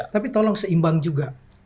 tapi tolong seimbang juga